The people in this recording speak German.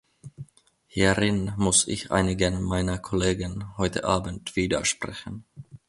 Hierin muss ich einigen meiner Kollegen heute abend widersprechen.